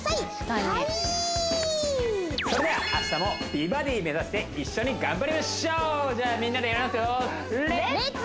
はいそれでは明日も美バディ目指して一緒に頑張りましょうじゃみんなでやりますよレッツ！